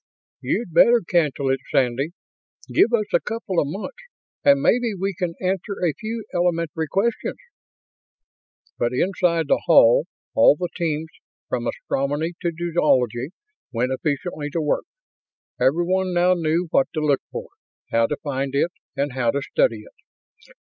"You'd better cancel it, Sandy. Give us a couple of months, and maybe we can answer a few elementary questions." Now inside the Hall, all the teams, from Astronomy to Zoology, went efficiently to work. Everyone now knew what to look for, how to find it, and how to study it.